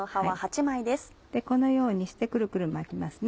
このようにしてクルクル巻きますね。